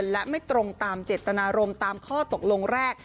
และไม่ตรงตามเจตนารมณ์ตามข้อตกลงแรก